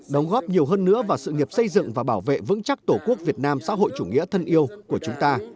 đóng góp nhiều hơn nữa vào sự nghiệp xây dựng và bảo vệ vững chắc tổ quốc việt nam xã hội chủ nghĩa thân yêu của chúng ta